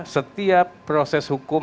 setiap proses hukum